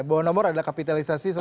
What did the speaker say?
bawa nomor adalah kapitalisasi selama